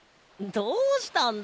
どうしたんだ？